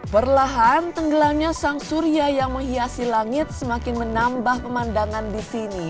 perlahan tenggelamnya sang surya yang menghiasi langit semakin menambah pemandangan di sini